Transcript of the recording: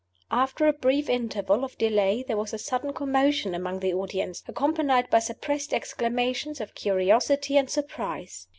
After a brief interval of delay there was a sudden commotion among the audience, accompanied by suppressed exclamations of curiosity and surprise.